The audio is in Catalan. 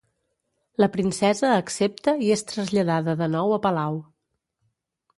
La princesa accepta i és traslladada de nou a palau.